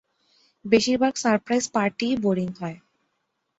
বেশিরভাগ সারপ্রাইজ পার্টিই বোরিং হয়।